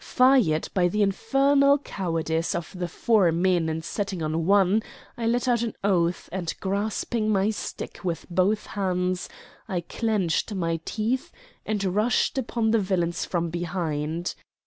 Fired by the infernal cowardice of the four men in setting on one, I let out an oath, and, grasping my stick with both hands, I clenched my teeth, and rushed upon the villains from behind.